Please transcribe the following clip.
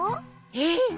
えっ？